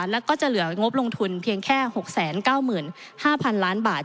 แล้วก็จะเหลืองบลงทุนเพียงแค่๖๙๕๐๐๐ล้านบาท